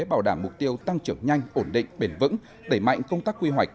bảo đảm mục tiêu tăng trưởng nhanh ổn định bền vững đẩy mạnh công tác quy hoạch